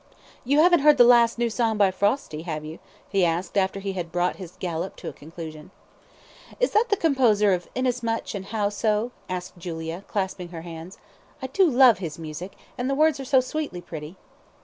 "You haven't heard the last new song by Frosti, have you?" he asked, after he had brought his galop to a conclusion. "Is that the composer of 'Inasmuch' and 'How so?'" asked Julia, clasping her hands. "I do love his music, and the words are so sweetly pretty."